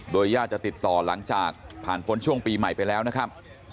โดยญาติจะติดต่อหลังจากผ่านพ้นช่วงปีใหม่ไปแล้วนะครับ